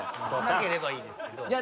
なければいいですけど。